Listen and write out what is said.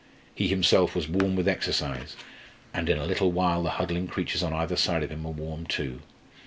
He himself was warm with exercise, and in a little while the huddling creatures on either side of him were warm too.